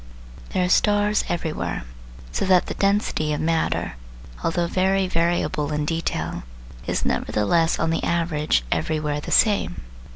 There are stars everywhere, so that the density of matter, although very variable in detail, is nevertheless on the average everywhere the same.